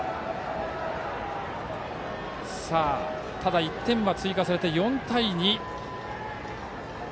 ただ、１点は追加されて４対２です。